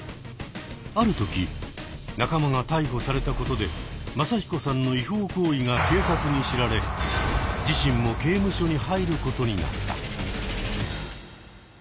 ある時仲間が逮捕されたことでマサヒコさんの違法行為が警察に知られ自身も刑務所に入ることになった。